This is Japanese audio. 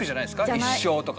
一生とか。